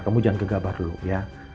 kamu jangan gegabah dulu ya